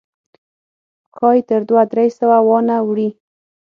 ښایي تر دوه درې سوه وانه وړي.